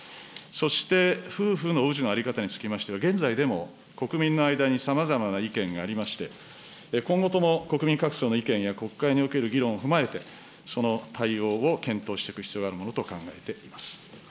そして、夫婦の氏の在り方につきましては、現在でも国民の間にさまざまな意見がありまして、今後とも国民各層の意見や国会における議論を踏まえて、その対応を検討していく必要があるものと考えております。